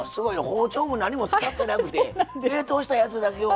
包丁も何も使ってなくて冷凍したやつだけを。